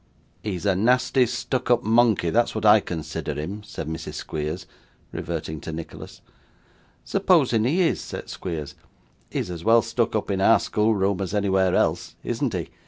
'He's a nasty stuck up monkey, that's what I consider him,' said Mrs Squeers, reverting to Nicholas. 'Supposing he is,' said Squeers, 'he is as well stuck up in our schoolroom as anywhere else, isn't he?